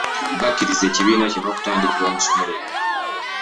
Bakkiriza ekibiina kino okutandikibwa mu ssomero lyabwe